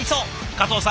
加藤さん